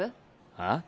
はあ？